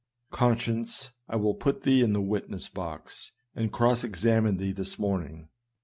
Conscience, I will put thee in the witness box, and cross examine thee this morning